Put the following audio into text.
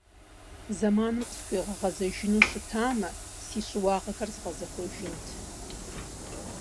Зэманым къысхуегъэгъэзэжыну щытамэ, си щыуагъэхэр згъэзэкӏуэжынт.